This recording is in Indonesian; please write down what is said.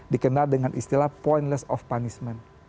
dikenal dengan istilah pointless of punishment